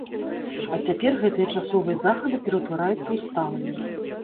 А цяпер гэтыя часовыя захады ператвараюцца ў сталыя.